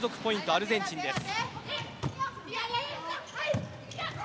アルゼンチンです。